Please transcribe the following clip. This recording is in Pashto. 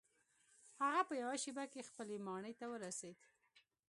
هغه په یوه شیبه کې خپلې ماڼۍ ته ورسید.